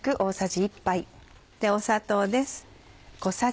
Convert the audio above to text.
砂糖です。